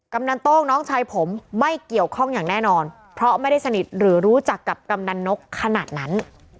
กำนันโต้งน้องชายผมไม่เกี่ยวข้องอย่างแน่นอนเพราะไม่ได้สนิทหรือรู้จักกับกำนันนกขนาดนั้น